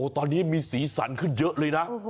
ตอนนี้มีสีสันขึ้นเยอะเลยนะ